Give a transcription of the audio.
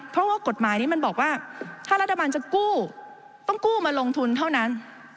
เพราะว่ากฎหมายนี้มันบอกว่าถ้ารัฐบาลจะกู้ต้องกู้มาลงทุนเท่านั้น